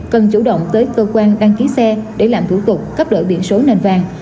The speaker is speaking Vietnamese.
cần chủ động tới cơ quan đăng ký xe để làm thủ tục cấp đổi biển số nền vàng